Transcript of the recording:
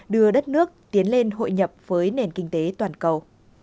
đưa đất nước tiến lên hội nhập với nền kinh tế toàn cầu